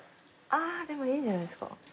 あぁでもいいんじゃないですか？